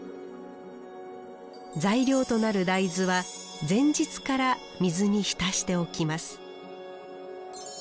材料となる大豆は前日から水に浸しておきます